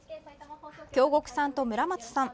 京極さんと、村松さん。